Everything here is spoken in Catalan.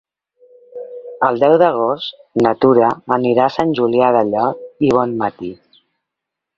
El deu d'agost na Tura anirà a Sant Julià del Llor i Bonmatí.